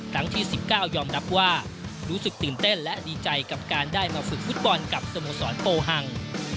ครั้งที่๑๙ยอมรับว่ารู้สึกตื่นเต้นและดีใจกับการได้มาฝึกฟุตบอลกับสโมสรโปฮัง